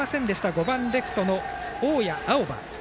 ５番レフトの大矢青葉。